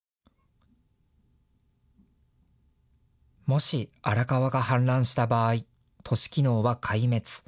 もし荒川が氾濫した場合、都市機能は壊滅。